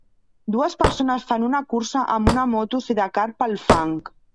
Dues persones fan una cursa amb una moto sidecar pel fang.